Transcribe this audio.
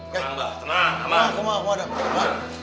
tenang mbak tenang